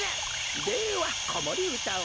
ではこもりうたを。